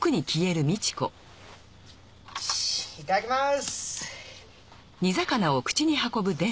よしいただきます！